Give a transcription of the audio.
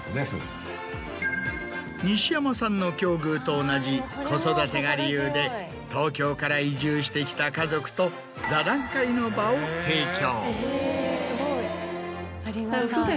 西山さんの境遇と同じ子育てが理由で東京から移住してきた家族と座談会の場を提供。